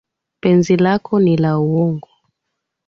Penzi lako ni la uongo